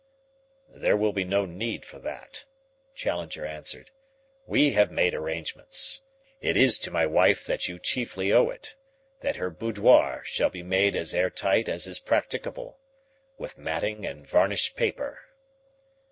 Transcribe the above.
"There will be no need for that," Challenger answered. "We have made arrangements it is to my wife that you chiefly owe it that her boudoir shall be made as airtight as is practicable. With matting and varnished paper."